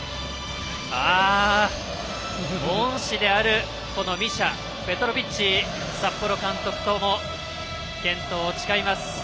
恩師であるミシャ札幌のペトロヴィッチ監督とも健闘を誓います。